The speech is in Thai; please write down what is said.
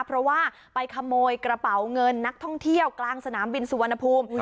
เพราะว่าไปขโมยกระเป๋าเงินนักท่องเที่ยวกลางสนามบินสุวรรณภูมิ